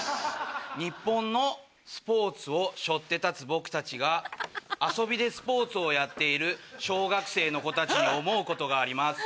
日本のスポーツを背負って立つ僕たちが遊びでスポーツをやっている小学生の子たちに思うことがあります。